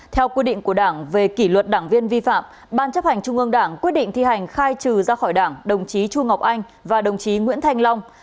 theo quy định của đảng về kỷ luật đảng viên vi phạm ban chấp hành trung ương đảng quyết định thi hành khai trừ ra khỏi đảng đồng chí chu ngọc anh và đồng chí nguyễn thanh long